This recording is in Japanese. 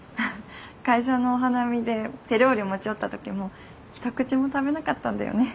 会社のお花見で手料理持ち寄った時も一口も食べなかったんだよね。